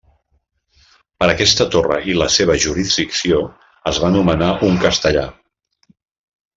Per aquesta torre i la seva jurisdicció es va nomenar un castellà.